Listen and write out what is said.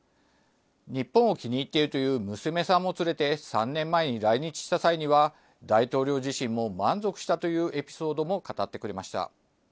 日本を気に入っているという娘さんもつれて、３年前に来日した際には、大統領自身も満足したというエピソードを語ってくれました。